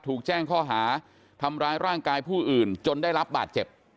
ถูกแจ้งข้อหาทำร้ายร่างกายผู้อื่นจนได้รับบาดเจ็บ